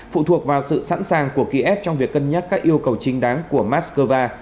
phụ thuộc vào sự sẵn sàng của kiev trong việc cân nhắc các yêu cầu chính đáng của moscow